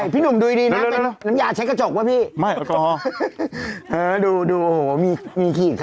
พี่หนุ่มดูดีน้ำยาใช้กระจกว่ะพี่